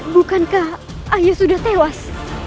bukankah ayah sudah tewas